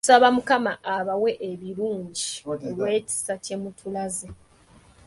Tusaba mukama abawe ebirungi olw’ekisa kye mutulaze.